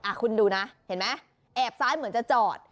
คุณดูนะเห็นไหมแอบซ้ายเหมือนจะจอด